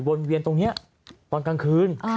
เวียนตรงนี้ตอนกลางคืน